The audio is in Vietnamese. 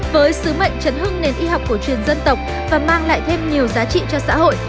với sứ mệnh chấn hương nền y học cổ truyền dân tộc và mang lại thêm nhiều giá trị cho xã hội